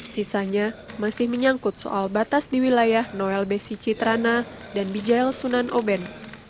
sisanya masih menyangkut soal batas di wilayah noel besi citrana dan bijayal sunan oben